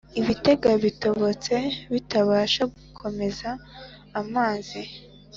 Ibitega bitobotse bitabasha gukomeza amazi